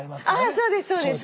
そうですそうです。